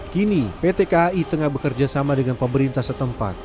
kini pt kai tengah bekerja sama dengan pemerintah setempat